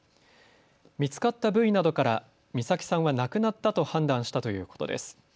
見つかった部位などから美咲さんは亡くなったと判断したということです。